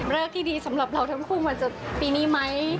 ที่ดีสำหรับเราทั้งคู่มันจะปีนี้ไหม